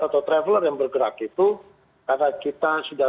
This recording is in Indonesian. atau traveler yang bergerak itu karena kita sudah sama sama tahu bahwa liburan itu adalah